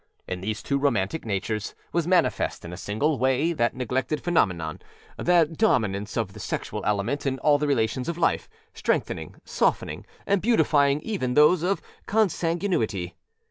In these two romantic natures was manifest in a signal way that neglected phenomenon, the dominance of the sexual element in all the relations of life, strengthening, softening, and beautifying even those of consanguinity.